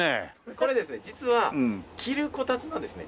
これですね実は着るこたつなんですね。